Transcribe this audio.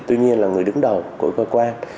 tuy nhiên là người đứng đầu của cơ quan